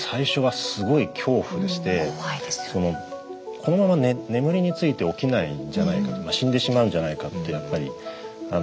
このまま眠りについて起きないんじゃないか死んでしまうんじゃないかってやっぱり思ってましたし。